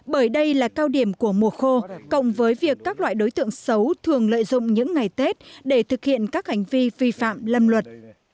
bởi đây là cao điểm của mùa khô cộng với việc các loại đối tượng xấu thường lợi dụng những ngày tết để thực hiện các hành vi vi phạm lâm luật